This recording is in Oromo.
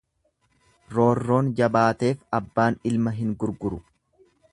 Roorroon jabaateef abbaan ilma hin gurguru.